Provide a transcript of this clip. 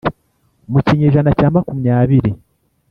mu kinyejana cya makumyabiri